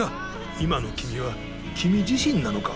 今の君は君自身なのか？